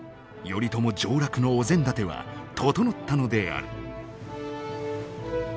頼朝上洛のお膳立ては整ったのである。